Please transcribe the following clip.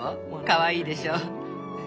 かわいいでしょう。